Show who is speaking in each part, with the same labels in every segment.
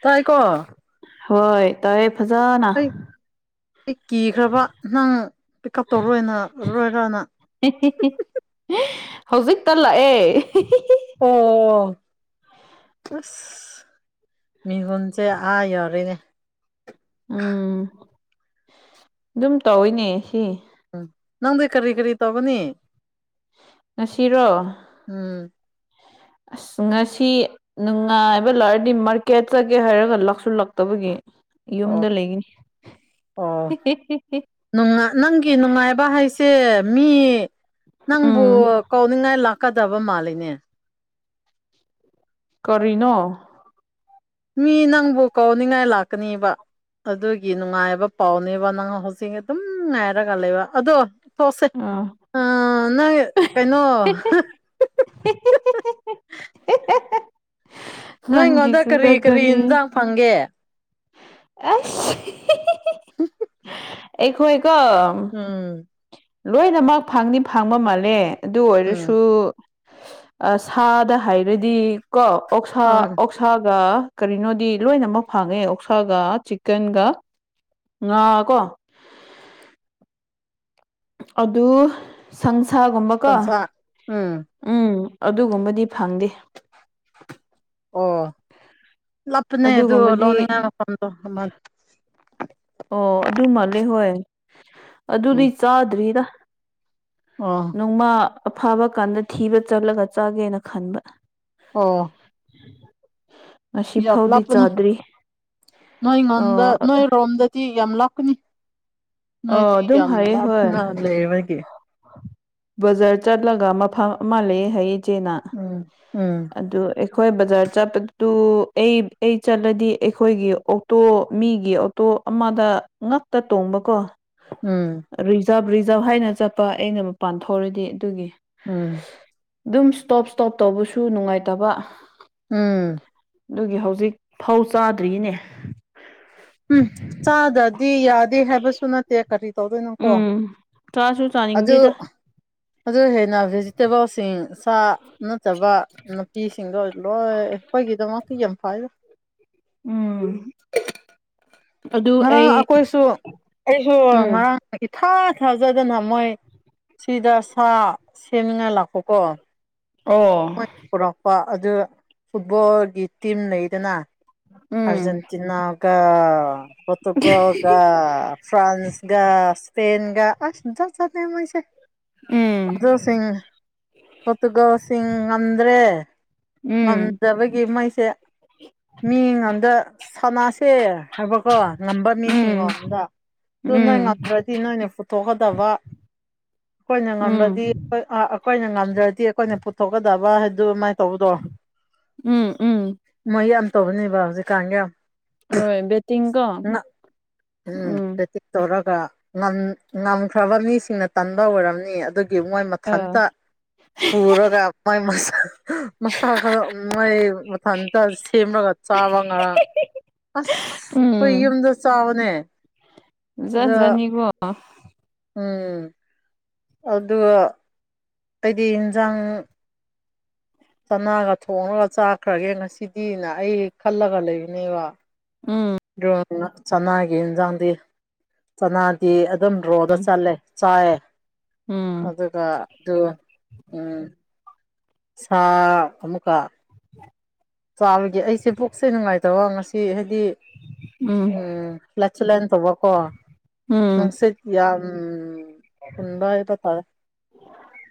Speaker 1: ꯇꯥꯏ ꯀꯣ
Speaker 2: ꯍꯣꯏ ꯇꯌꯦ ꯐꯖꯥꯅ
Speaker 1: ꯑꯩ ꯑꯩ ꯀꯤꯈ꯭ꯔ ꯕ ꯅꯪ ꯄꯤꯛ ꯎꯞ ꯇꯧꯔꯣꯏꯅꯔꯣꯏꯔꯅ
Speaker 2: ꯍꯧꯖꯤꯛ ꯇ ꯂꯥꯛꯑꯦ
Speaker 1: ꯑꯣ ꯑꯁ ꯃꯤꯒꯨꯟ ꯁꯦ ꯑ ꯌꯧꯔꯦꯅꯦ
Speaker 2: ꯎꯝ ꯗꯨꯝ ꯇꯧꯋꯤꯅꯦ ꯁꯤ
Speaker 1: ꯎꯝ ꯅꯪꯗꯤ ꯀꯔꯤ ꯀꯔꯤ ꯇꯧ ꯒꯅꯤ
Speaker 2: ꯉꯁꯤ ꯔꯣ
Speaker 1: ꯎꯝ
Speaker 2: ꯑꯁ ꯉꯥꯁꯤ ꯅꯨꯡꯉꯥꯏꯕ ꯂꯥꯛꯔꯗꯤ ꯃꯥꯔꯀꯦꯠ ꯆꯒꯦ ꯍꯥꯏꯔꯒ ꯂꯥꯛꯁꯤꯜꯂꯛꯇꯕꯒꯤ
Speaker 1: ꯑꯣ
Speaker 2: ꯌꯨꯝꯗ ꯂꯩꯒꯅꯤ
Speaker 1: ꯑꯣ
Speaker 2: [unintelligible]
Speaker 1: ꯅꯪꯒꯤ ꯅꯨꯡꯉꯥꯏꯕ ꯍꯥꯏꯁꯦ ꯃꯤ ꯅꯪꯕꯨ
Speaker 2: ꯎꯝ
Speaker 1: ꯀꯧꯅꯤꯡꯉꯥꯏ ꯂꯥꯛ ꯛꯀꯗꯕ ꯃꯥꯜꯂꯤꯅꯦ
Speaker 2: ꯀꯔꯤꯅꯣ
Speaker 1: ꯃꯤ ꯅꯪꯕꯨ ꯀꯧꯅꯤꯡꯉꯥꯏ ꯂꯥꯛꯀꯅꯦꯕ ꯑꯗꯨꯒꯤ ꯅꯨꯡꯉꯥꯏꯕ ꯄꯥꯎꯅꯦꯕ ꯅꯪ ꯍꯧꯖꯤꯛ ꯑꯗꯨꯝ ꯉꯥꯏꯔꯒ ꯂꯩꯕ ꯑꯗꯣ ꯊꯣꯛꯣꯛꯁꯦ
Speaker 2: ꯑꯥ
Speaker 1: ꯅꯣꯏ ꯀꯩꯅꯣ
Speaker 2: ꯅꯪꯒꯤ
Speaker 1: ꯅꯣꯏꯉꯣꯟꯗ
Speaker 2: ꯁꯨ
Speaker 1: ꯀꯔꯤ ꯀꯔꯤ
Speaker 2: [unintelligible]
Speaker 1: ꯏꯟꯖꯥꯡ ꯐꯪꯒꯦ
Speaker 2: ꯑꯁ [unintelligible] ꯑꯩꯈꯣ ꯑꯩꯀꯣ
Speaker 1: ꯎꯝ
Speaker 2: ꯂꯣꯏꯅꯃꯛ ꯐꯪꯅꯤ ꯐꯪꯕ ꯃꯥꯜꯂꯦ ꯑꯗꯨ
Speaker 1: ꯎꯝ
Speaker 2: ꯑꯣꯏꯔꯁꯨ ꯁꯥꯗ ꯍꯥꯏꯔꯗꯤ ꯀꯣ ꯑꯣꯛꯁꯥ
Speaker 1: ꯑ
Speaker 2: ꯑꯣꯛ ꯑꯣꯛꯁꯥꯒ ꯀꯔꯤꯅꯣꯗꯤ ꯂꯣꯏꯅꯃꯛ ꯐꯥꯡꯉꯦ ꯑꯣꯛꯁꯥꯒ ꯆꯤꯛꯀꯟꯒ ꯉ ꯀꯣ ꯑꯗꯨ ꯁꯪꯁꯥꯒꯨꯝꯕꯀꯣ
Speaker 1: ꯁꯟꯁꯥ ꯎꯝ
Speaker 2: ꯎꯝ ꯑꯗꯨꯒꯨꯝꯕꯗꯤ ꯐꯪꯗꯦ
Speaker 1: ꯑꯣ ꯂꯞꯄꯅꯦ ꯑꯗꯨ
Speaker 2: ꯑꯗꯨꯒꯨꯝꯕꯗꯤ
Speaker 1: ꯂꯧꯅꯤꯡꯉꯥꯏ ꯃꯐꯝꯗꯣ
Speaker 2: ꯑꯣ ꯑꯗꯨ ꯃꯥꯜꯂꯦ ꯍꯣꯏ
Speaker 1: ꯎꯝ
Speaker 2: ꯑꯗꯨꯗꯤ ꯆꯥꯗ꯭ꯔꯤꯗ
Speaker 1: ꯑꯣ
Speaker 2: ꯅꯣꯡꯃꯥ ꯑꯐꯥꯕ ꯀꯥꯟꯗ ꯊꯤꯕ ꯆꯠꯂꯒ ꯆꯥꯒꯦꯅ ꯈꯟꯕ
Speaker 1: ꯑꯣ
Speaker 2: ꯉꯁꯤ
Speaker 1: ꯌꯥꯝ
Speaker 2: ꯐꯥꯎꯗꯤ
Speaker 1: ꯂꯥꯞꯄꯅꯤ
Speaker 2: ꯆꯥꯗ꯭ꯔꯤ
Speaker 1: ꯅꯣꯏ
Speaker 2: ꯑ
Speaker 1: ꯉꯣꯟꯗ ꯅꯣꯏꯔꯣꯝꯗꯗꯤ ꯌꯥꯝ ꯂꯥꯞꯀꯅꯤ
Speaker 2: ꯑ
Speaker 1: ꯅꯣꯏꯗꯤ
Speaker 2: ꯑꯗꯨꯝ
Speaker 1: ꯌꯥꯝ
Speaker 2: ꯍꯥꯏꯌꯦ ꯍꯣꯏ
Speaker 1: ꯂꯥꯞꯅ ꯂꯩꯕꯒꯤ
Speaker 2: ꯕꯖꯥꯔ ꯆꯠꯂꯒ ꯃꯐꯝ ꯑꯃ ꯂꯩ ꯍꯥꯏ ꯏꯆꯦꯅꯥ
Speaker 1: ꯎꯝ ꯎꯝ
Speaker 2: ꯑꯗꯨ ꯑꯩꯈꯣꯏ ꯕꯖꯥꯔ ꯆꯠꯄꯗꯨ ꯑꯩ ꯑꯩ ꯆꯠꯂꯗꯤ ꯑꯩꯈꯣꯏꯒꯤ ꯇꯣ ꯃꯤꯒꯤ ꯑꯣꯇꯣ ꯑꯃꯗ ꯉꯛꯇ ꯇꯣꯡꯕꯀꯣ
Speaker 1: ꯎꯝ
Speaker 2: ꯔꯤꯖꯥꯚ ꯔꯤꯖꯥꯚ ꯍꯥꯏꯅ ꯆꯠꯄ ꯑꯩꯅ ꯃꯄꯥꯟ ꯊꯣꯛꯔꯗꯤ ꯑꯗꯨꯒꯤ
Speaker 1: ꯎꯝ
Speaker 2: ꯑꯗꯨꯝ ꯁꯇꯣꯞ ꯁꯇꯣꯞ ꯇꯧꯕꯁꯨ ꯅꯨꯡꯉꯥꯏꯇꯕ
Speaker 1: ꯎꯝ
Speaker 2: ꯑꯗꯨꯒꯤ ꯍꯧꯖꯤꯛ ꯐꯧ ꯆꯥꯗ꯭ꯔꯤꯅꯦ
Speaker 1: ꯆꯥꯗꯗꯤ ꯌꯥꯗꯦ ꯍꯥꯏꯕꯁꯨ ꯁꯨ ꯅꯠꯇꯦ ꯀꯔꯤ ꯇꯧꯗꯣꯏꯅꯣꯀꯣ
Speaker 2: ꯎꯝ ꯆꯥꯁꯨ
Speaker 1: ꯑꯗꯨ
Speaker 2: ꯆꯥꯅꯤꯡꯗꯦꯗ
Speaker 1: ꯑꯗꯨ ꯍꯦꯟꯅ ꯚꯦꯖꯤꯇꯦꯕꯜꯁꯤꯡ ꯁꯥ ꯅꯠꯇꯕ ꯅꯨꯄꯤꯁꯤꯡꯗꯣ ꯂꯣꯏ ꯑꯩꯈꯣꯏꯒꯤꯗꯃꯛꯇ ꯌꯥꯝ ꯐꯥꯏ
Speaker 2: ꯎꯝ ꯑꯗꯨ
Speaker 1: ꯉꯔꯥꯡ
Speaker 2: ꯑꯩ
Speaker 1: ꯑꯩꯈꯣꯏꯁꯨ ꯑꯩꯁꯨ
Speaker 2: ꯎꯝ
Speaker 1: ꯉꯔꯥꯡ ꯏꯊꯥ ꯊꯥꯖꯗꯅ ꯃꯣꯏ ꯁꯤꯗ ꯁꯥ ꯁꯦꯝꯅꯤꯡꯉꯥꯏ ꯂꯥꯛꯄꯀꯣ ꯃꯣꯏ
Speaker 2: ꯑꯣ
Speaker 1: ꯄꯨꯔꯛꯄ ꯑꯗꯨ ꯐꯨꯠꯕꯣꯜꯒꯤ ꯇꯤꯝ ꯂꯩꯗꯅ
Speaker 2: ꯎꯝ
Speaker 1: ꯑꯔꯖꯦꯟꯇꯤꯅꯥꯒ ꯄꯣꯇꯨꯒꯜꯒ ꯐ꯭ꯔꯥꯟꯁꯒ ꯁꯄꯦꯟꯒ ꯑꯗ ꯆꯦ ꯃꯣꯏꯁꯦ
Speaker 2: ꯎꯝ
Speaker 1: [unintelligible] ꯁꯤꯡ ꯄꯣꯇꯨꯒꯜꯁꯤꯡ ꯉꯝꯗ꯭ꯔꯦ
Speaker 2: ꯎꯝ
Speaker 1: ꯉꯝꯗꯕꯒꯤ ꯃꯣꯏꯁꯦ ꯃꯤ ꯉꯝꯗ ꯁꯥꯟꯅꯁꯦ ꯊꯕꯛ ꯀꯣ ꯉꯝꯕ ꯃꯤꯁꯤꯡꯉꯣ
Speaker 2: ꯎꯝ
Speaker 1: ꯑꯝꯗ ꯑꯗꯨ ꯅꯣꯏ
Speaker 2: ꯎꯝ
Speaker 1: ꯉꯝꯗ꯭ꯔꯗꯤ ꯅꯣꯏꯅꯦ ꯄꯨꯊꯣꯛꯀꯗꯕ ꯑꯩꯈꯣꯏꯅ
Speaker 2: ꯎꯝ
Speaker 1: ꯉꯝꯂꯗꯤ ꯑꯩꯈꯣꯏꯅ ꯉꯝꯗ꯭ꯔꯗꯤ ꯑꯩꯈꯣꯏꯅ ꯄꯨꯊꯣꯛꯀꯗꯕ ꯍꯥꯏꯗꯨꯃꯥꯏ ꯇꯧꯕꯗꯣ
Speaker 2: ꯎꯝ ꯎꯝ
Speaker 1: ꯃꯣꯏ ꯌꯥꯝ ꯇꯧꯕꯅꯦꯕ ꯍꯧꯖꯤꯛꯀꯥꯟꯒꯤ ꯌꯥꯝ
Speaker 2: ꯍꯣꯏ ꯕꯦꯇꯤꯡ ꯀꯣ ꯎꯝ
Speaker 1: ꯇꯧꯔꯒ ꯉꯝ ꯉꯝꯈ꯭ꯔꯕ ꯃꯤꯁꯤꯡꯅ ꯇꯟꯕ ꯑꯣꯏꯔꯝꯅꯤ ꯑꯗꯨꯒꯤ ꯃꯣꯏ
Speaker 2: ꯑꯥ
Speaker 1: ꯃꯊꯟꯇ ꯄꯨꯔꯒ ꯃꯥꯏ ꯃꯁꯥ ꯃꯁꯥ ꯈꯔ ꯃꯥꯏ ꯃꯊꯟꯇ ꯁꯦꯝꯃꯒ ꯆꯕ ꯉꯔꯥꯡ ꯑꯁ
Speaker 2: ꯎꯝ
Speaker 1: [unintelligible] ꯆꯕꯅꯦ
Speaker 2: ꯖꯥꯠ ꯖꯥꯠ ꯅꯤꯀꯣ
Speaker 1: ꯎꯝ ꯑꯗꯨꯒ ꯑꯩꯗꯤ ꯏꯟꯖꯥꯡ ꯆꯅꯥꯒ ꯊꯣꯡꯉꯒ ꯆꯥꯛꯈ꯭ꯔꯒꯦ ꯉꯁꯤꯗꯤꯅ ꯑꯩ ꯈꯜꯂꯒ ꯂꯩꯕꯅꯦꯕ
Speaker 2: ꯎꯝ
Speaker 1: ꯆꯅꯒꯤ ꯌꯦꯟꯖꯗꯤ ꯆꯅꯥ ꯑꯗꯨꯝ ꯔꯣꯗ ꯆꯠꯂꯦ ꯆꯥꯏꯌꯦ
Speaker 2: ꯎꯝ
Speaker 1: ꯑꯗꯨꯒ ꯑꯗꯨ ꯎꯝ ꯁꯥ ꯑꯃꯨꯛꯀ ꯆꯥꯕꯒꯤ ꯑꯩꯁꯦ ꯄꯨꯛꯁꯦ ꯅꯨꯡꯉꯥꯏꯇꯕ ꯉꯁꯤ ꯍꯥꯏꯗꯤ ꯎꯝ [unintelligible] ꯇꯧꯕꯀꯣ
Speaker 2: ꯎꯝ
Speaker 1: ꯅꯨꯡꯁꯤꯠ ꯌꯥꯝ ꯊꯟꯕ ꯍꯥꯏꯕ ꯇꯥꯔꯦ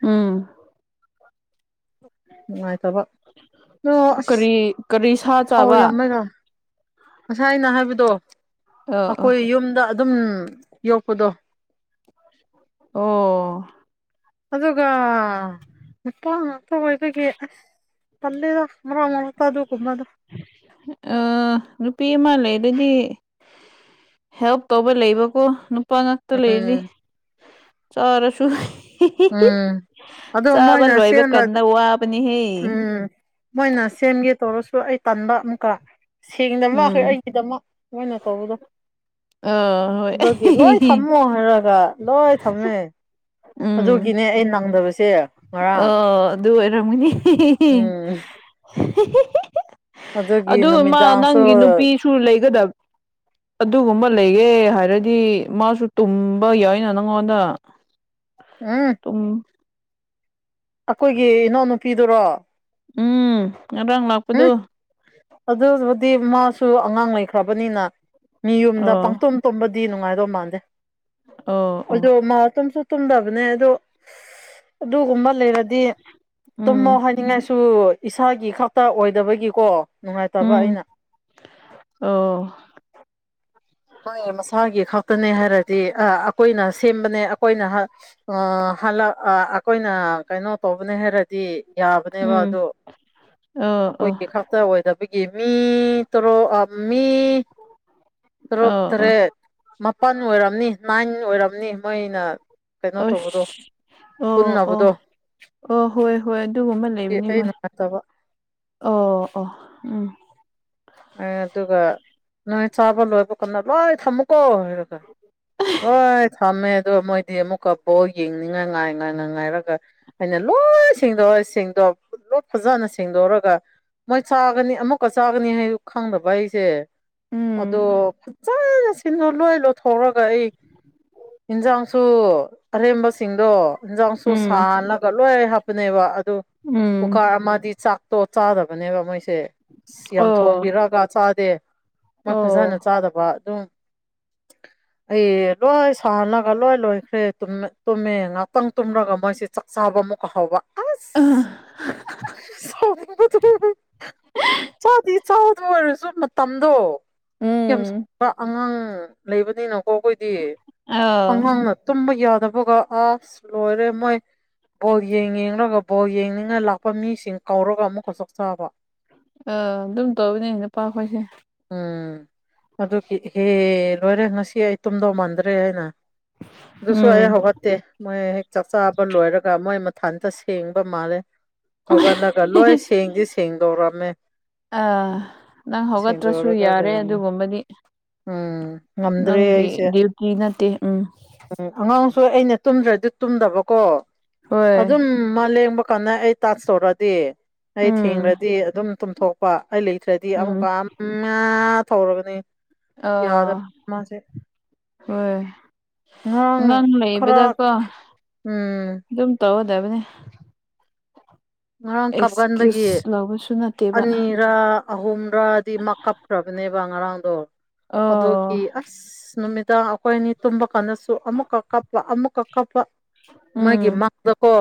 Speaker 2: ꯎꯝ
Speaker 1: ꯅꯨꯡꯉꯥꯏꯇꯕ ꯑꯣ ꯑꯁ
Speaker 2: ꯀꯔꯤ ꯀꯔꯤ ꯁꯥ
Speaker 1: ꯊꯥꯎ
Speaker 2: ꯆꯥꯕ
Speaker 1: ꯌꯥꯝꯃꯒ ꯉꯁꯥꯏ ꯑꯩꯅ ꯍꯥꯏꯕꯗꯣ
Speaker 2: ꯑ ꯑꯣ
Speaker 1: ꯑꯩꯈꯣꯏ ꯌꯨꯝꯗ ꯑꯗꯨꯝ ꯌꯣꯛꯄꯗꯣ
Speaker 2: ꯑꯣ
Speaker 1: ꯑꯗꯨꯒ ꯅꯨꯄꯥ ꯉꯥꯛꯇ ꯑꯣꯏꯕꯒꯤ ꯑꯁ ꯊꯝꯗꯦꯗ ꯃꯔꯛ ꯃꯔꯇ ꯑꯗꯨꯒꯨꯝꯕ ꯑꯗꯨ
Speaker 2: ꯑ ꯅꯨꯄꯤ ꯑꯃ ꯂꯩ ꯑꯗꯨꯗꯤ ꯍꯦꯜꯞ ꯇꯧꯕ ꯂꯩꯕꯀꯣ ꯅꯨꯄꯥ ꯉꯥꯛꯇ ꯂꯩꯗꯤ
Speaker 1: ꯎꯝ
Speaker 2: ꯆꯥꯔꯁꯨ
Speaker 1: ꯎꯝ ꯑꯗꯣ
Speaker 2: ꯆꯥꯕ
Speaker 1: ꯃꯣꯏꯅ
Speaker 2: ꯂꯣꯏꯕ
Speaker 1: ꯁꯦꯝꯕ
Speaker 2: ꯀꯗ ꯋꯥꯕꯅꯤꯍꯦ
Speaker 1: ꯎꯝ ꯃꯣꯏꯅ ꯁꯦꯝꯒꯦ ꯇꯧꯔꯁꯨ ꯑꯩ ꯇꯟꯥꯟꯕ ꯑꯃꯨꯛꯀ ꯁꯦꯡꯗꯃꯛ [unintelligible]
Speaker 2: ꯎꯝ
Speaker 1: ꯑꯩꯒꯤꯗꯃꯛ ꯃꯣꯏꯅ ꯇꯧꯕꯗꯣ
Speaker 2: ꯑ ꯍꯣꯏ
Speaker 1: ꯑꯗꯨꯒꯤ ꯂꯣꯏ ꯊꯝꯃꯣ ꯍꯥꯏꯔꯒ ꯂꯣꯏ ꯊꯝꯃꯦ ꯑꯗꯨꯒꯤꯅꯦ ꯑꯩ ꯅꯪꯗꯕꯁꯦ ꯉꯔꯥꯡ
Speaker 2: ꯑꯣ ꯑꯗꯨ ꯑꯣꯏꯔꯝꯒꯅꯤ
Speaker 1: ꯎꯝ
Speaker 2: [unintelligible]
Speaker 1: ꯑꯗꯨꯒꯤ
Speaker 2: ꯑꯗꯨ ꯃꯥ
Speaker 1: ꯅꯨꯃꯤꯗꯥꯡꯁꯨ
Speaker 2: ꯅꯪꯒꯤ ꯅꯨꯄꯤꯁꯨ ꯂꯩꯒꯗꯕ ꯑꯗꯨꯒꯨꯝꯕ ꯂꯩꯌ‌ꯦ ꯍꯥꯏꯔꯗꯤ ꯃꯥꯁꯨ ꯇꯨꯝꯕ ꯌꯥꯏꯅ ꯅꯪꯉꯣꯟꯗ
Speaker 1: ꯑꯝ
Speaker 2: [unintelligible]
Speaker 1: ꯑꯩꯈꯣꯏꯒꯤ ꯏꯅꯧꯅꯨ ꯄꯤꯗꯨꯔꯣ
Speaker 2: ꯎꯝ ꯉꯔꯥꯡ ꯂꯥꯛꯄꯗꯨ
Speaker 1: ꯑꯗꯨꯕꯨꯗꯤ ꯃꯥꯁꯨ ꯑꯉꯥꯡ ꯂꯩꯈ꯭ꯔꯕꯅꯤꯅ ꯃꯤ ꯌꯨꯝꯗ
Speaker 2: ꯑꯣ
Speaker 1: ꯄꯥꯡꯇꯨꯝ ꯇꯨꯝꯕꯗꯤ ꯅꯨꯡꯉꯥꯏꯗꯧ ꯃꯥꯟꯗꯦ
Speaker 2: ꯑꯣ ꯑꯣ
Speaker 1: ꯃꯥ ꯇꯨꯝꯁꯨ ꯇꯨꯝꯗꯕꯅꯦ ꯑꯗꯣ ꯑꯗꯨꯒꯨꯝꯕ ꯂꯩꯔꯗꯤ ꯇꯨꯝꯃ‌ꯣ
Speaker 2: ꯎꯝ
Speaker 1: ꯍꯥꯏꯅꯤꯡꯉꯥꯁꯨ ꯏꯁꯥꯒꯤ ꯈꯛꯇ ꯑꯣꯏꯗꯕꯒꯤꯀꯣ ꯅꯨꯡꯉꯥꯏꯇꯕ
Speaker 2: ꯎꯝ
Speaker 1: ꯑꯩꯅ
Speaker 2: ꯑꯣ
Speaker 1: ꯍ‌ꯣꯏ ꯃꯁꯥꯒꯤ ꯈꯛꯇꯅꯦ ꯍꯥꯏꯔꯗꯤ ꯑ ꯑꯩꯈꯣꯏꯅ ꯁꯦꯝꯕꯅꯦ ꯑꯩꯈꯣꯏꯅ ꯍ ꯑ ꯍꯂꯛ ꯑ ꯑꯩꯈꯣꯏꯅ ꯀꯩꯅꯣ ꯇꯧꯕꯅꯦ ꯍꯥꯏꯔꯗꯤ ꯌꯥꯕꯅꯦꯕ
Speaker 2: ꯎꯝ
Speaker 1: ꯑꯗꯣ
Speaker 2: ꯑꯣ ꯑꯣ
Speaker 1: ꯑꯩꯈꯣꯏꯒꯤ ꯈꯛ ꯇ ꯑꯣꯏꯗꯕꯒꯤ ꯃꯤ ꯇꯔꯨ ꯑ ꯑꯃꯤ ꯇꯔꯨꯛ
Speaker 2: ꯑꯣ ꯑꯣ
Speaker 1: ꯇꯔꯦꯠ ꯃꯥꯄꯜ ꯑꯣꯏꯔꯝꯅꯤ ꯅꯥꯏꯟ ꯑꯣꯏꯔꯝꯅꯤ ꯃꯩꯅ ꯀꯩꯅꯣ ꯇꯧꯕꯗꯣ
Speaker 2: ꯑꯁ ꯑꯣ ꯑꯣ
Speaker 1: ꯄꯨꯟꯅꯕꯗꯣ
Speaker 2: ꯑꯣ ꯍꯣꯏ ꯍꯣꯏ ꯑꯗꯨꯒꯨꯝꯕ ꯂꯩꯕꯅꯤ
Speaker 1: ꯑꯩ
Speaker 2: ꯍꯣꯏ
Speaker 1: ꯅꯨꯡꯉꯥꯏꯇꯕ
Speaker 2: ꯑꯣ ꯑꯣ ꯎꯝ
Speaker 1: ꯑꯦ ꯑꯗꯨꯒ ꯅꯣꯏ ꯆꯥꯕ ꯂꯣꯏꯕ ꯀꯗ ꯂꯣꯏ ꯊꯝꯃꯨꯀꯣ ꯍꯥꯏꯔꯒ ꯍꯣꯏ ꯊꯝꯃꯦ ꯑꯗꯣ ꯃꯣꯏꯗꯤ ꯑꯃꯨꯛꯀ ꯕꯣꯛ ꯌꯦꯡꯅꯤꯡꯉ ꯉꯥꯏ ꯉꯥꯏ ꯉ ꯉꯥꯏꯔꯒ ꯍꯥꯏꯩꯅ ꯂꯣꯏ ꯁꯦꯡꯗꯣꯛꯑ ꯁꯦꯡꯗꯣꯛ ꯂꯣꯏ ꯐꯖꯅ ꯁꯦꯡꯗꯣꯛꯎꯔꯒ ꯃꯣꯏ ꯆꯥꯒꯅꯤ ꯑꯃꯨꯛꯀ ꯆꯥꯒꯅꯤ ꯍꯥꯏ ꯈꯪꯗꯕ ꯑꯩꯁꯦ ꯑꯗꯣ
Speaker 2: ꯎꯝ
Speaker 1: ꯐꯅ ꯁꯤꯟꯗ ꯂꯣꯏ ꯂꯣꯠꯊꯣꯛꯔꯒ ꯑꯩ ꯌꯦꯟꯖꯥꯡꯁꯨ ꯑꯔꯦꯝꯕꯁꯤꯡꯗꯣ ꯌꯦꯟꯖꯥꯡꯁꯨ
Speaker 2: ꯎꯝ
Speaker 1: ꯁꯥꯂꯒ ꯂꯣꯏꯔ ꯍꯥꯞꯄꯅꯦꯕ ꯑꯗꯨ
Speaker 2: ꯎꯝ
Speaker 1: ꯀꯨꯀꯥꯔ ꯑꯃꯗꯤ ꯆꯥꯛꯇꯣ ꯆꯥꯗꯕꯅꯦꯕ ꯃꯣꯏꯁꯦ ꯌꯥꯝ
Speaker 2: ꯑꯣ
Speaker 1: ꯊꯣꯡꯕꯤꯔꯒ ꯆꯥꯗꯦ ꯃꯣꯏ ꯐꯖꯅ
Speaker 2: ꯑꯣ
Speaker 1: ꯆꯥꯗꯕ ꯑꯗꯨꯝ ꯑꯩ ꯂꯣꯏ ꯁꯂꯒ ꯂꯣꯏ ꯂꯣꯏꯈ꯭ꯔꯦ ꯇꯨꯝꯃꯦ ꯉꯍꯥꯛꯇꯪ ꯇꯨꯝꯔꯒ ꯃꯣꯏꯁꯤ ꯆꯥꯛ ꯆꯥꯕ ꯑꯃꯨꯛ ꯍꯥꯎꯕ ꯑ ꯁ ꯆꯥꯗꯤ ꯏꯆꯗ ꯑꯣꯏꯔꯁꯨ ꯃꯇꯝꯗꯣ ꯌꯥꯝ
Speaker 2: ꯎꯝ
Speaker 1: ꯁꯕ ꯑꯉꯥꯡ ꯂꯩꯕꯅꯤꯅꯀꯣ ꯑꯩꯈꯣꯏꯗꯤ
Speaker 2: ꯑꯥ
Speaker 1: ꯈꯪꯍꯥꯡꯅ ꯇꯨꯝꯕ ꯌꯥꯗꯕꯒ ꯑꯁ ꯂꯣꯏꯔꯦ ꯃꯣꯏ ꯕꯣꯜ ꯌꯦꯡ ꯌꯦꯡꯂꯡꯒ ꯕꯣꯜ ꯌꯦꯡꯅꯤꯡꯉ ꯂꯥꯛꯄ ꯃꯤꯁꯤꯡ ꯀꯧꯔꯒ ꯑꯃꯨꯛ ꯈ ꯆꯣꯛ ꯆꯥꯕ
Speaker 2: ꯑꯥ ꯑꯗꯨꯝ ꯇꯧꯕꯅꯦ ꯅꯨꯄꯥꯈꯣꯏꯁꯦ
Speaker 1: ꯎꯝ ꯑꯗꯨꯒꯤ ꯏꯍꯦ ꯂꯣꯏꯔꯦ ꯉꯁꯤ ꯑꯩ ꯇꯨꯝꯗꯧ ꯃꯥꯟꯗ꯭ꯔꯦ ꯍꯥꯏꯅ ꯑꯗꯨꯁꯨ ꯑꯩ
Speaker 2: ꯎꯝ
Speaker 1: ꯍꯧꯒꯠ ꯇꯦ ꯃꯣꯏ ꯍꯦꯛ ꯆꯥꯛ ꯆꯥꯕ ꯂꯣꯏꯔꯒ ꯃꯣꯏ ꯃꯊꯟꯇ ꯁꯦꯡꯕ ꯃꯥꯜꯂꯦ ꯍꯧꯒꯠꯂꯒ ꯂꯣꯏ ꯁꯦꯡꯗꯤ ꯁꯦꯡꯗꯧꯔꯝꯃꯦ
Speaker 2: ꯑꯥ ꯅꯪ ꯍꯧꯒꯠꯇ꯭ꯔꯁꯨ
Speaker 1: ꯁꯦꯡꯗꯣꯛꯔꯒ
Speaker 2: ꯌꯥꯔꯦ
Speaker 1: ꯂꯩꯔꯝꯃꯦ
Speaker 2: ꯑꯗꯨꯒꯨꯝꯕꯗꯤ
Speaker 1: ꯎꯝ ꯉꯝꯗ꯭ꯔꯦ
Speaker 2: ꯅꯪꯒꯤ
Speaker 1: ꯑꯩꯁꯦ
Speaker 2: ꯗ꯭ꯌꯨꯇꯤ ꯅꯠꯇꯦ ꯎꯝ
Speaker 1: ꯎꯝ ꯑꯉꯥꯡꯁꯨ ꯑꯩꯅ ꯇꯨꯝꯗ꯭ꯔꯗꯤ ꯇꯨꯝꯗꯕꯀꯣ
Speaker 2: ꯍꯣꯏ
Speaker 1: ꯑꯗꯨꯝ ꯎꯝ ꯃꯥ ꯂꯦꯡꯕ ꯀꯥꯟꯗ ꯑꯩ ꯇꯥꯛꯁ ꯇꯧꯔꯗꯤ ꯑꯩ
Speaker 2: ꯎꯝ
Speaker 1: ꯊꯦꯡꯂꯗꯤ ꯑꯗꯨꯝ ꯇꯨꯝꯊꯣꯛ ꯀꯣ ꯑꯩ ꯂꯩꯇ꯭ꯔꯗꯤ
Speaker 2: ꯎꯝ
Speaker 1: ꯑꯃꯨꯛꯀ ꯑꯃ ꯃꯥ ꯊꯧꯔꯒꯅꯤ
Speaker 2: ꯑꯥ
Speaker 1: ꯌꯥꯗꯕ ꯃꯥꯁꯦ
Speaker 2: ꯍꯣꯏ
Speaker 1: ꯉꯔꯥꯡ
Speaker 2: ꯑꯉꯥꯡ
Speaker 1: ꯈꯔ
Speaker 2: ꯂꯩꯕꯗꯀꯣ
Speaker 1: ꯎꯝ
Speaker 2: ꯑꯗꯨꯝ ꯇꯧꯒꯗꯕꯅꯤ
Speaker 1: ꯉꯔꯥꯡ ꯀꯞꯃꯟꯕꯒꯤ
Speaker 2: ꯑꯦꯛꯁꯀ꯭ꯌꯨꯁ ꯂꯧꯕꯁꯨ ꯅꯠꯇꯦꯕ
Speaker 1: ꯑꯅꯤꯔꯛ ꯑꯍꯨꯝꯔꯛ ꯗꯤ ꯃꯥ ꯀꯞꯈ꯭ꯔꯕꯅꯦꯕ ꯉꯔꯥꯡꯗꯣ
Speaker 2: ꯑꯣ
Speaker 1: ꯑꯗꯨꯒꯤ ꯑꯁ ꯅꯨꯃꯤꯗꯥꯡ ꯑꯩꯈꯣꯏꯅꯤ ꯇꯨꯝꯕ ꯀꯥꯟꯗꯁꯨ ꯑꯃꯨꯛꯀ ꯀꯞꯄ ꯑꯃꯨꯛꯀ ꯀꯞꯄ
Speaker 2: ꯎꯝ
Speaker 1: ꯑꯩꯒꯤ ꯃꯪꯗꯀꯣ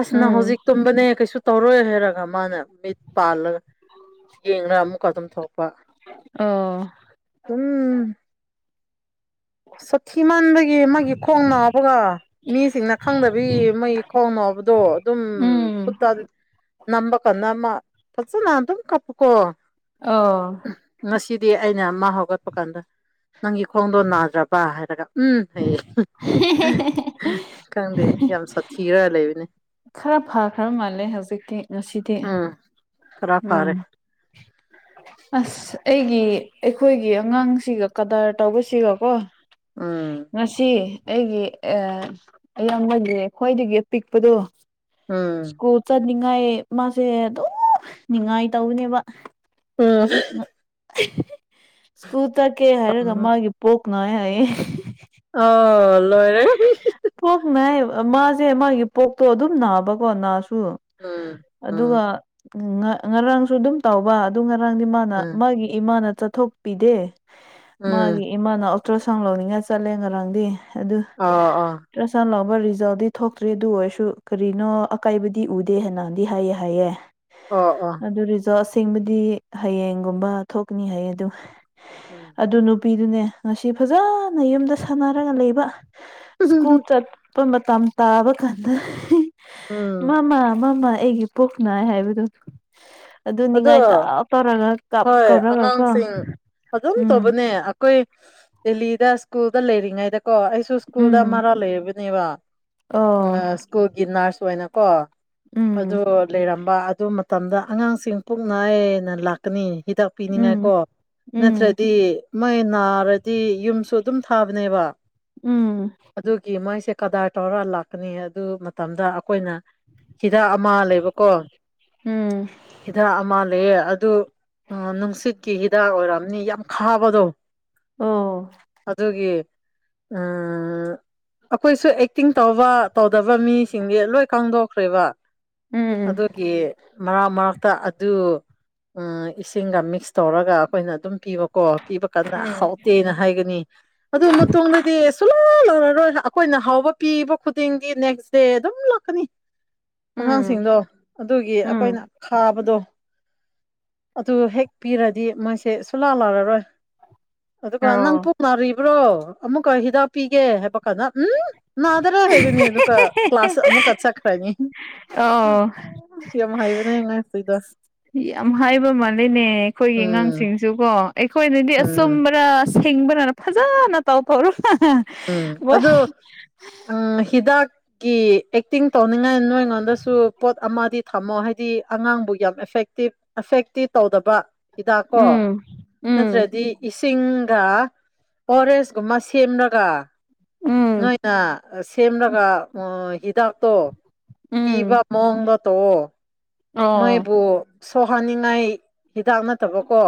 Speaker 1: ꯑꯁ
Speaker 2: ꯎꯝ
Speaker 1: ꯍꯧꯖꯤꯛ ꯇꯨꯝꯕꯅꯦ ꯀꯩꯁꯨ ꯇꯧꯔꯣꯏ ꯍꯥꯏꯔꯒ ꯃꯥꯅ ꯃꯤꯠ ꯄꯥꯜꯂꯒ ꯌꯦꯡꯉ ꯑꯃꯨꯛꯀ ꯑꯗꯨꯝ ꯊꯣꯛꯄ
Speaker 2: ꯑꯣ
Speaker 1: ꯎꯝ ꯁꯥꯊꯤꯃꯟꯕꯒꯤ ꯃꯥꯒꯤ ꯈꯣꯡ ꯅꯥꯕꯒ ꯃꯤꯁꯤꯡꯅ ꯈꯪꯗꯕꯤ ꯃꯩ ꯈꯣꯡꯅꯕꯗꯣ ꯑꯗꯨꯝ
Speaker 2: ꯎꯝ
Speaker 1: ꯈꯨꯠꯇ ꯅꯝꯕ ꯀꯥꯟꯗ ꯑꯃ ꯐꯖꯅ ꯑꯗꯨꯝ ꯀꯞꯄꯀꯣ
Speaker 2: ꯑ
Speaker 1: ꯉꯁꯤꯗꯤ ꯑꯩꯅ ꯑꯃ ꯍꯧꯒꯠꯄ ꯀꯥꯟꯗ ꯅꯪꯒꯤ ꯈꯣꯡꯗꯣ ꯅꯥꯗ꯭ꯔꯕ ꯍꯥꯏꯔꯒ ꯎꯝ ꯍꯩꯌꯦ ꯈꯪꯗꯦ ꯌꯥꯝ ꯁꯥꯊꯤꯔ ꯂꯩꯕꯅꯦ
Speaker 2: ꯈꯔ ꯐꯈ꯭ꯔ ꯃꯥꯜꯂꯦ ꯍꯧꯖꯤꯛꯇꯤ ꯉꯁꯤꯗꯤ
Speaker 1: ꯎꯝ ꯈꯔ
Speaker 2: ꯎꯝ
Speaker 1: [unintelligible]
Speaker 2: ꯑꯁ ꯑꯩꯒꯤ ꯑꯩꯈꯣꯏꯒꯤ ꯑꯉꯥꯡꯁꯤꯒ ꯀꯗꯔ ꯇꯧꯕꯁꯤꯒꯀꯣ
Speaker 1: ꯎꯝ
Speaker 2: ꯉꯁꯤ ꯑꯩꯒꯤ [unintelligible] ꯈ꯭ꯋꯥꯏꯗꯒꯤ ꯄꯤꯛꯄꯗꯣ
Speaker 1: ꯎꯝ
Speaker 2: ꯁ꯭ꯀꯨꯜ ꯆꯠꯅꯤꯡꯉꯥꯏ ꯃꯥꯁꯦ ꯑꯗꯨꯝ ꯅꯤꯡꯉꯥꯏ ꯇꯧꯕꯅꯦꯕ
Speaker 1: ꯎꯝ
Speaker 2: ꯁ꯭ꯀꯨꯜ ꯆꯠꯀꯦ ꯍꯥꯏꯔꯒ
Speaker 1: ꯎꯝ
Speaker 2: ꯃꯥꯒꯤ ꯄꯣꯛ ꯅꯥꯏ ꯍꯥꯏꯌꯦ
Speaker 1: ꯑꯣ ꯂꯣꯏꯔꯦ
Speaker 2: ꯄꯣꯛ ꯅꯥꯏꯌꯦ ꯃꯥꯁꯦ ꯃꯥꯒꯤ ꯄꯣꯛꯇꯣ ꯑꯗꯨꯝ ꯅꯥꯕꯀꯣ ꯅꯥꯁꯨ
Speaker 1: ꯎꯝ
Speaker 2: ꯑꯗꯨꯒ
Speaker 1: ꯎꯝ
Speaker 2: ꯉꯔꯥꯡꯁꯨ ꯑꯗꯨꯝ ꯇꯧꯕ ꯑꯗꯨ ꯉꯔꯥꯡꯗꯤ ꯃꯥꯅ
Speaker 1: ꯎꯝ
Speaker 2: ꯃꯥꯒꯤ ꯏꯃꯥꯅ ꯆꯠꯊꯣꯛꯄꯤꯗꯦ ꯃꯥꯒꯤ
Speaker 1: ꯎꯝ
Speaker 2: ꯏꯃꯥꯅ ꯑꯜꯇ꯭ꯔꯁꯥꯎꯟ ꯂꯧꯅꯤꯡꯉꯥꯏ ꯆꯠꯂꯦ ꯉꯔꯥꯡꯗꯤ ꯑꯗꯨ
Speaker 1: ꯑ ꯑꯥ
Speaker 2: ꯇ꯭ꯔꯁꯥꯎꯟ ꯂꯧꯕ ꯔꯤꯖꯜꯗꯤ ꯊꯣꯛꯇ꯭ꯔꯤ ꯑꯗꯨ ꯑꯣꯏꯔꯁꯨ ꯀꯔꯤꯅꯣ ꯑꯀꯥꯏꯕꯗꯤ ꯎꯗꯦ ꯍꯥꯏꯅꯗꯤ ꯍꯥꯏꯌꯦ ꯍꯥꯏꯌꯦ
Speaker 1: ꯑꯣ ꯑꯣ
Speaker 2: ꯑꯗꯨ ꯔꯤꯖꯜ ꯑꯁꯦꯡꯕꯗꯤ ꯍꯌꯦꯡꯒꯨꯝꯕ ꯊꯣꯛꯀꯅꯤ ꯍꯥꯏ ꯑꯗꯨ
Speaker 1: ꯎꯝ
Speaker 2: ꯑꯗꯨ ꯅꯨꯄꯤꯗꯨꯅꯦ ꯉꯁꯤ ꯐꯖꯅ ꯌꯨꯝꯗ ꯁꯥꯟꯅꯔꯒ ꯂꯩꯕ ꯁ꯭ꯀꯨꯜ ꯆꯠ ꯃꯇꯝ ꯇꯥꯕ ꯀꯥꯟꯗ
Speaker 1: ꯎꯝ
Speaker 2: ꯃꯃꯥ ꯃꯃꯥ ꯑꯩꯒꯤ ꯄꯨꯛ ꯅꯥꯏ ꯍꯥꯏꯕꯗꯨ ꯑꯗꯨ
Speaker 1: ꯑꯗꯣ
Speaker 2: ꯅꯤꯡꯉꯥꯏꯇ
Speaker 1: ꯍꯣꯏ
Speaker 2: ꯀꯧꯔꯒ ꯀꯣ
Speaker 1: ꯑꯉꯥꯡꯁꯤꯡ ꯑꯗꯨꯝ
Speaker 2: ꯎꯝ
Speaker 1: ꯇꯧꯕꯅꯦ ꯑꯩꯈꯣꯏ ꯗꯦꯜꯂꯤꯗ ꯁ꯭ꯀꯨꯜꯗ ꯂꯩꯔꯤꯉꯩꯗꯀꯣ ꯑꯩ [unintelligible] ꯁ꯭ꯀꯨꯜꯗ
Speaker 2: ꯎꯝ
Speaker 1: ꯃꯔꯥꯜ ꯂꯩꯕꯅꯦꯕ ꯎ
Speaker 2: ꯑꯣ
Speaker 1: ꯁ꯭ꯀꯨꯜꯒꯤ ꯅꯔꯁ ꯑꯣꯏꯅꯀꯣ ꯑꯗꯨ
Speaker 2: ꯎꯝ
Speaker 1: ꯂꯩꯔꯝꯕ ꯑꯗꯨ ꯃꯇꯝꯗ ꯑꯉꯥꯡꯁꯤꯡ ꯄꯨꯛꯅꯥꯏ ꯂꯥꯛꯀꯅꯤ ꯍꯤꯗꯥꯛ
Speaker 2: ꯎꯝ
Speaker 1: ꯄꯤꯅꯤꯡꯉꯥꯏꯀꯣ
Speaker 2: ꯎꯝ
Speaker 1: ꯅꯠꯇ꯭ꯔꯗꯤ ꯃꯣꯏ ꯅꯥꯔꯗꯤ ꯌꯨꯝꯁꯨ ꯑꯗꯨꯝ ꯊꯥꯕꯅꯦꯕ
Speaker 2: ꯎꯝ
Speaker 1: ꯑꯗꯨꯒꯤ ꯃꯣꯏꯁꯦ ꯀꯗꯥꯔ ꯇꯧꯔ ꯂꯥꯛꯀꯅꯤ ꯑꯗꯨ ꯃꯇꯝꯗ ꯑꯈꯣꯏꯅ ꯍꯤꯗꯥꯛ ꯑꯃ ꯂꯩꯕꯀꯣ
Speaker 2: ꯎꯝ
Speaker 1: ꯍꯤꯗꯥꯛ ꯑꯃ ꯂꯩꯑꯦ ꯑꯗꯨ ꯑ ꯅꯨꯡꯁꯤꯠꯀꯤ ꯍꯤꯗꯥꯛ ꯑꯣꯏꯔꯝꯅꯤ ꯌꯥꯝ ꯈꯥꯕꯗꯣ
Speaker 2: ꯑꯣ
Speaker 1: ꯑꯗꯨꯒꯤ ꯎꯝ ꯑꯩꯈꯣꯏꯁꯨ ꯑꯦꯛꯇꯤꯡ ꯇꯧꯕ ꯇꯧꯗꯕ ꯃꯤꯁꯤꯡꯗꯤ ꯂꯣꯏ ꯈꯪꯗꯣꯛꯈ꯭ꯔꯦꯕ
Speaker 2: ꯎꯝ
Speaker 1: ꯑꯗꯨꯒꯤ ꯃꯔꯛ ꯃꯔꯛ ꯇ ꯑꯗꯨ ꯏꯁꯤꯡꯒ ꯃꯤꯛꯁ ꯇꯧꯔꯒ ꯑꯩꯈꯣꯏꯅ ꯑꯗꯨꯝ ꯄꯤꯕ ꯀꯣ ꯄꯤꯕ ꯀꯥꯟꯗ
Speaker 2: ꯎꯝ
Speaker 1: ꯍꯥꯎꯇꯦꯅ ꯍꯥꯏꯒꯅꯤ ꯑꯗꯨ ꯃꯇꯨꯡꯗꯗꯤ ꯁꯨꯡꯂꯞ ꯂꯞꯔꯔꯣꯏ ꯑꯈꯣꯏꯅ ꯍꯥꯎꯕ ꯄꯤꯕ ꯈꯨꯗꯤꯡꯒꯤ ꯅꯦꯛꯁ ꯗꯦ ꯑꯗꯨꯝ ꯂꯥꯛꯀꯅꯤ
Speaker 2: ꯎꯝ
Speaker 1: ꯑꯉꯥꯡꯁꯤꯡꯗꯣ ꯑꯗꯨꯒꯤ
Speaker 2: ꯎꯝ
Speaker 1: ꯑꯈꯣꯏꯅ ꯈꯥꯕꯗꯣ ꯑꯗꯨ ꯍꯦꯛ ꯄꯤꯔꯗꯤ ꯃꯣꯏꯁꯦ ꯁꯨꯂꯥ ꯂꯔꯔꯣꯏ ꯑꯗꯨꯒ ꯅꯪ
Speaker 2: ꯑꯣ
Speaker 1: ꯄꯣꯛ ꯅꯥꯔꯤꯕ꯭ꯔꯣ ꯑꯃꯨꯛꯀ ꯍꯤꯗꯥꯛ ꯄꯤꯒꯦ ꯍꯥꯏꯕ ꯀꯥꯟꯗ ꯎꯝ ꯅꯗ꯭ꯔꯦ ꯍꯥꯏꯒꯅꯤ ꯑꯗꯨꯒ ꯀ꯭ꯂꯥꯁ ꯑꯃꯨꯛ ꯆꯠꯈ꯭ꯔꯅꯤ
Speaker 2: ꯑꯧ
Speaker 1: ꯌꯥꯝ ꯍꯥꯏꯕꯅꯦ ꯑꯉꯥꯡꯁꯤꯗ
Speaker 2: ꯌꯥꯝ ꯍꯥꯏꯕ ꯃꯥꯜꯂꯤꯅꯦ ꯑꯩꯈꯣꯏꯒꯤ
Speaker 1: ꯎꯝ
Speaker 2: ꯑꯉꯥꯡꯁꯤꯡꯁꯨꯀꯣ ꯑꯩꯈꯣꯏꯅꯗꯤ
Speaker 1: ꯎꯝ
Speaker 2: ꯑꯆꯨꯝꯕꯔꯥ ꯍꯤꯡꯕꯔꯥ ꯐꯖꯅ ꯇꯥꯎ ꯐꯧꯔ
Speaker 1: ꯎꯝ ꯑꯗꯨ ꯎꯝ ꯍꯤꯗꯥꯛ ꯒꯤ ꯑꯦꯛꯇꯤꯡ ꯇꯧꯅꯤꯡꯉꯥꯏ ꯅꯣꯏꯉꯣꯟꯗꯁꯨ ꯄꯣꯠ ꯑꯃꯗꯤ ꯊꯝꯃꯣ ꯍꯥꯏꯗꯤ ꯑꯉꯥꯡꯕꯨ ꯌꯥꯝ ꯑꯦꯐꯦꯛꯇꯤꯞ ꯑꯦꯐꯦꯛꯇꯤ ꯇꯧꯗꯕ ꯍꯤꯗꯥꯛ ꯀꯣ
Speaker 2: ꯎꯝ ꯎꯝ
Speaker 1: ꯅꯠꯇ꯭ꯔꯗꯤ ꯏꯁ ꯇꯤꯡꯒ ꯐꯣꯔꯦꯁꯀꯨꯝꯕ ꯁꯦꯝꯔꯒ
Speaker 2: ꯎꯝ
Speaker 1: ꯅꯣꯏꯅ ꯁꯦꯝꯂꯀ ꯍꯤꯗꯥꯛ ꯇꯣ ꯊꯤꯕꯥ
Speaker 2: ꯎꯝ
Speaker 1: [unintelligible] ꯇꯧꯑꯣ
Speaker 2: ꯑꯣ
Speaker 1: ꯃꯣꯏꯕꯨ ꯁꯣꯛꯍꯟꯅꯤꯡꯉꯥꯏ ꯍꯤꯗꯥꯛ ꯅꯠꯇꯕꯀꯣ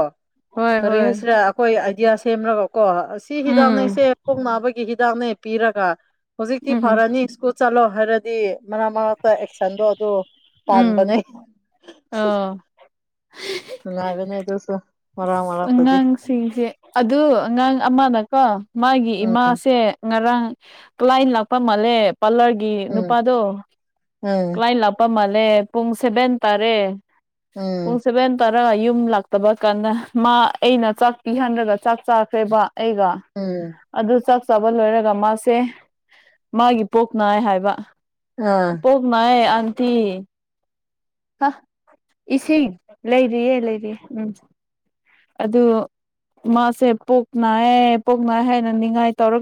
Speaker 2: ꯍꯣꯏ ꯍꯣꯏ
Speaker 1: ꯀꯔꯤꯟꯁꯔꯥ ꯍꯣꯏ ꯑꯥꯏꯗꯤꯌꯥ ꯁꯦꯝꯃꯒ ꯀꯣ ꯁꯤ
Speaker 2: ꯎꯝ
Speaker 1: ꯍꯤꯗꯥꯛꯅꯦꯁꯦ ꯄꯨꯛ ꯅꯥꯕꯒꯤ ꯍꯤꯗꯥꯛꯅꯦ ꯄꯤꯔꯒ ꯍꯧꯖꯤꯛꯇꯤ
Speaker 2: ꯎꯝ
Speaker 1: ꯐꯔꯅꯤ ꯁ꯭ꯀꯨꯜ ꯆꯠꯂꯣ ꯍꯥꯏꯔꯗꯤ ꯃꯔꯛ ꯃꯔꯛꯇ ꯑꯦꯛꯁꯟꯗꯣ ꯑꯗꯨ
Speaker 2: ꯎꯝ
Speaker 1: ꯄꯥꯟꯕꯅꯦ
Speaker 2: ꯑꯣ
Speaker 1: ꯅꯨꯡꯉꯥꯏꯕꯅꯦ ꯑꯗꯨꯁꯨ ꯃꯔꯛ ꯃꯔꯛꯇꯗꯤ
Speaker 2: ꯑꯉꯥꯡꯁꯤꯡꯁꯦ ꯑꯗꯨ ꯑꯉꯥꯡ ꯑꯃꯅꯀꯣ ꯃꯥꯒꯤ
Speaker 1: ꯎꯝ
Speaker 2: ꯏꯃꯥꯁꯦ ꯉꯔꯥꯡ ꯀ꯭ꯂꯥꯏꯟ ꯂꯥꯛꯄ ꯃꯥꯜꯂꯦ ꯄꯥꯂꯔꯒꯤ
Speaker 1: ꯎꯝ
Speaker 2: ꯅꯨꯄꯥꯗꯣ
Speaker 1: ꯎꯝ
Speaker 2: ꯀ꯭ꯂꯥꯏꯟ ꯂꯥꯛ ꯄ ꯃꯥꯜꯂꯦ ꯄꯨꯡ ꯁꯦꯚꯦꯟ ꯇꯥꯔꯦ ꯄꯨꯡ
Speaker 1: ꯎꯝ
Speaker 2: ꯁꯦꯚꯦꯟ ꯇꯥꯔꯥ ꯌꯨꯝ ꯂꯥꯛꯇꯕ ꯀꯟꯗ ꯃꯥ ꯑꯩꯅ ꯆꯥꯛ ꯄꯤꯍꯟꯔꯒ ꯆꯥꯛ ꯆꯥꯈ꯭ꯔꯦꯕ ꯑꯩꯒ
Speaker 1: ꯎꯝ
Speaker 2: ꯑꯗꯨ ꯆꯥꯛ ꯆꯥꯕ ꯂꯣꯏꯔꯒ ꯃꯥꯁꯦ ꯃꯥꯒꯤ ꯄꯨꯛ ꯅꯥꯏ ꯍꯥꯏꯕ
Speaker 1: ꯑꯥ
Speaker 2: ꯄꯨꯛ ꯅꯥꯢꯌꯦ ꯑꯟꯇꯤ ꯍ ꯏꯁꯤꯡ ꯂꯩꯔꯤꯌꯦ ꯂꯩꯔꯤꯌꯦ ꯎꯝ ꯑꯗꯨ ꯃꯥꯁꯦ ꯄꯨꯛ ꯅꯥꯏꯌꯦ ꯄꯨꯛ ꯅꯥꯏ ꯍꯥꯏꯅ ꯅꯤꯡꯉꯥꯏ ꯇꯧꯔꯒ